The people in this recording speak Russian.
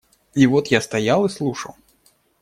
И вот я стоял и слушал.